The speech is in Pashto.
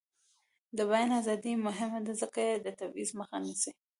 د بیان ازادي مهمه ده ځکه چې د تبعیض مخه نیسي.